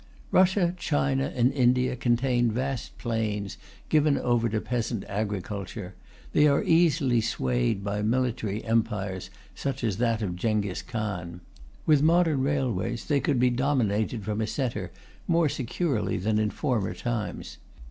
Russia, China, and India contain vast plains given over to peasant agriculture; they are easily swayed by military empires such as that of Jenghis Khan; with modern railways, they could be dominated from a centre more securely than in former times.